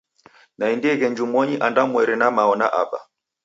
Naendieghe njumonyi andwamweri na mao na aba.